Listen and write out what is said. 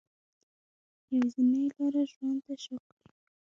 یوازینۍ لاره ژوند ته شا کړي